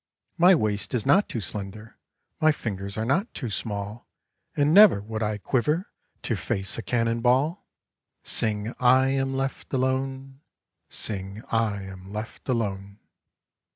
"My waist is not too slender, My fingers are not too small, And never would I quiver To face a cannon ball." Sing I am left alone, Sing I am left alone.